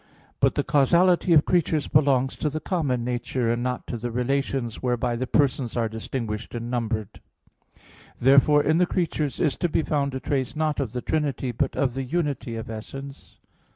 But the causality of creatures belongs to the common nature, and not to the relations whereby the Persons are distinguished and numbered. Therefore in the creature is to be found a trace not of the Trinity but of the unity of essence.